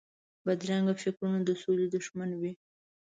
بدرنګه فکرونه د سولې دښمن وي